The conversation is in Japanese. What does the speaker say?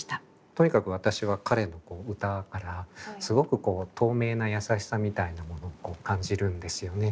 とにかく私は彼の歌からすごく透明なやさしさみたいなものを感じるんですよね。